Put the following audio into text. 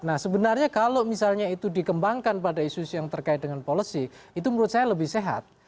nah sebenarnya kalau misalnya itu dikembangkan pada isu isu yang terkait dengan policy itu menurut saya lebih sehat